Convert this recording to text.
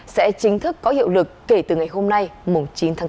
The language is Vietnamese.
sẽ chính thức có hiệu lực kể từ ngày hôm nay chín tháng bốn